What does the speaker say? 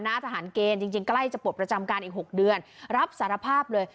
ทหารเกณฑ์จริงใกล้จะปลดประจำการอีก๖เดือนรับสารภาพเลย